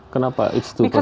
kenapa sih personal kenapa